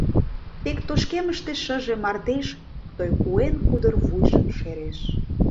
Тек тошкемыште шыже мардеж Той куэн кудыр вуйжым шереш.